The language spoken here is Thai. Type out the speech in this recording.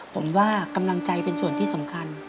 ผมว่ากำลังใจเป็นส่วนที่สำคัญ